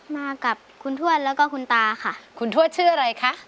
มากับคุณทวดแล้วก็คุณตาค่ะคุณทวดชื่ออะไรคะ